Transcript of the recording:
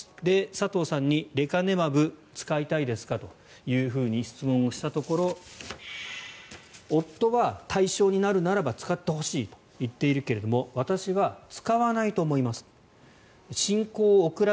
さとうさんにレカネマブ、使いたいですかと質問をしたところ、夫は対象になるならば使ってほしいと言っているけれども私は使わないと思います。